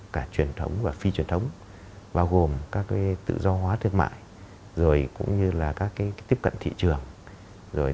cả truyền thống và phi truyền thống bao gồm các tự do hóa thương mại rồi cũng như là các tiếp cận thị trường